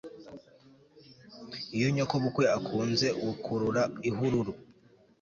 iyo nyokobukwe akunze ukurura ihururu